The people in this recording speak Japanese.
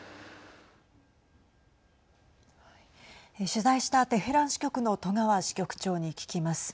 取材したテヘラン支局の戸川支局長に聞きます。